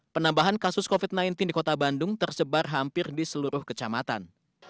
penambahan kasus covid sembilan belas di kota bandung tersebar hampir di seluruh kecamatan